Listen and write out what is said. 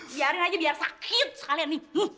biarin aja biar sakit sekalian nih